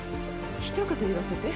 ひと言、言わせて。